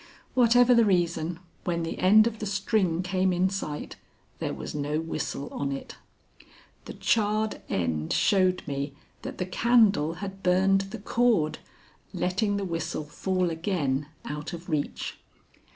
Whatever the reason, when the end of the string came in sight there was no whistle on it. The charred end showed me that the candle had burned the cord, letting the whistle fall again out of reach.